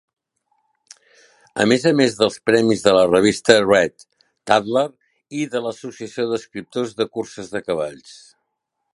A més a més dels premis de la revista "Red", "Tatler" i de l'Associació d'escriptors de curses de cavalls.